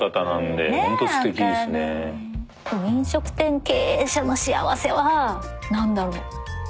でも飲食店経営者の幸せは何だろう？